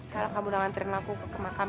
kalau kamu lang powers who doon ke market